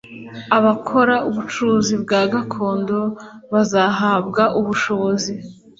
abakora ubucukuzi bwa gakondo bazahabwa ubushobozi